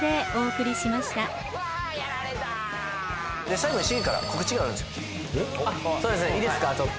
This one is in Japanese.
最後にシゲから告知があるんですよねあっ